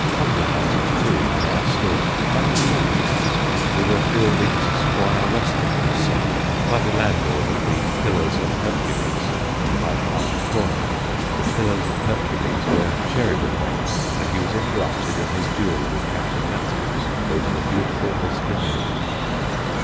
Humbler houses, too, there are still, like the lodging house whither Fielding's Squire Western was sent bv the landlord of ' The Pillars of Hercules ' THE GLORIOUS TIME 15 at Hyde Park Corner 'The Pillars of Hercules/ where Sheridan went when he was interrupted in his duel with Captain Mathews over the beautiful Miss Linley.